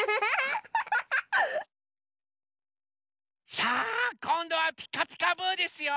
さあこんどは「ピカピカブ！」ですよ。